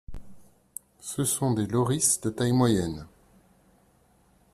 Ce sont des loris de taille moyenne.